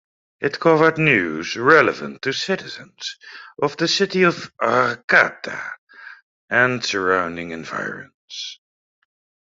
It covered news relevant to citizens of the City of Arcata and surrounding environs.